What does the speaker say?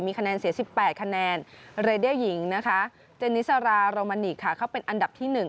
มีคะแนนเสียสิบแปดคะแนนนะคะค่ะเข้าเป็นอันดับที่หนึ่ง